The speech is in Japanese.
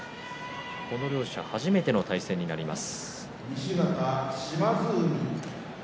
この両者初めての対戦になります。